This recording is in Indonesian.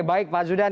baik pak zudan